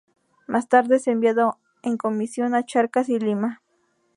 Más tarde es enviado en comisión a Charcas y Lima.